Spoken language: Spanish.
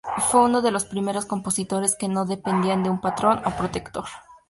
Fue uno de los primeros compositores que no dependían de un patrón o protector.